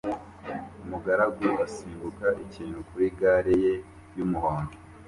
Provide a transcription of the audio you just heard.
Umugaragu asimbuka ikintu kuri gare ye yumuhondo